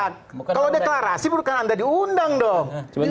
kalau deklarasi bukan anda diundang dong